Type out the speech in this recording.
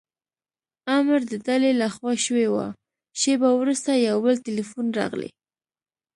امر د ډلې له خوا شوی و، شېبه وروسته یو بل ټیلیفون راغلی.